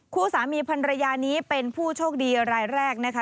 คู่สามีพันรยานี้เป็นผู้โชคดีรายแรกนะคะ